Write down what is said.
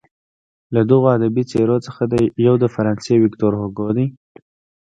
له دغو ادبي څیرو څخه یو د فرانسې ویکتور هوګو دی.